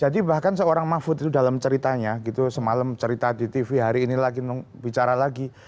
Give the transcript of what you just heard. jadi bahkan seorang mahfud itu dalam ceritanya gitu semalam cerita di tv hari ini lagi bicara lagi